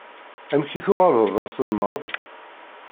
Amek i tuɣaleḍ d aselmad?